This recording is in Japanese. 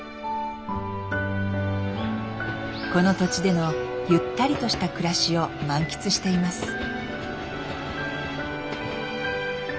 この土地でのゆったりとした暮らしを満喫しています。